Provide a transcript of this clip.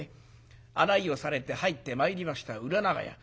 案内をされて入って参りました裏長屋。